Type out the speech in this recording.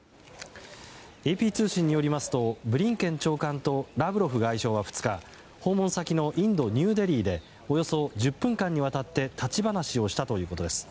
ＡＰ通信によりますとブリンケン長官とラブロフ外相は、２日訪問先のインド・ニューデリーでおよそ１０分間にわたって立ち話をしたということです。